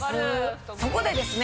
そこでですね